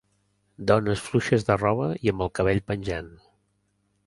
Dones fluixes de roba i amb el cabell penjant…